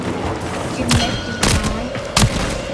กินเล็กกินน้อย